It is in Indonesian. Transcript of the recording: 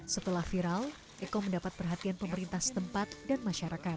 setelah viral eko mendapat perhatian pemerintah setempat dan masyarakat